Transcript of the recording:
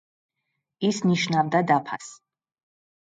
ის ნიშნავდა დაფას.